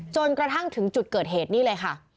จนกระทั่งถึงจุดเกิดเหตุนี่เลยค่ะ